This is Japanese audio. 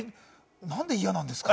何でいやなんですか？